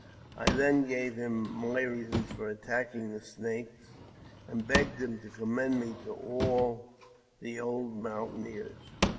I then gave him my reasons for attacking the Snakes, and begged him to commend me to all the old mountaineers.